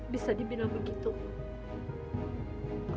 bisa dibilang begitu bu